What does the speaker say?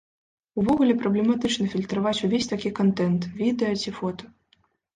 Увогуле праблематычна фільтраваць увесь такі кантэнт, відэа ці фота.